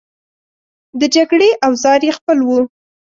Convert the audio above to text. د جګړې اوزار یې خپل وو.